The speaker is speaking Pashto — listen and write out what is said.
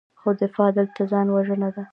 خو دفاع دلته ځان وژنه ده.